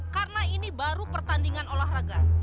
karena ini baru pertandingan olahraga